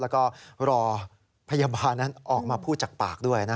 แล้วก็รอพยาบาลนั้นออกมาพูดจากปากด้วย